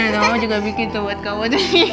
nih mama juga bikin tuh buat kamu